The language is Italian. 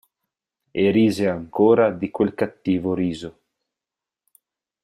E rise ancora di quel cattivo riso.